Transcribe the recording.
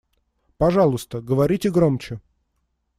Пожалуйста, говорите громче.